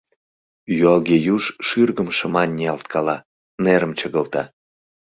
Юалге юж шӱргым шыман ниялткала, нерым чыгылта.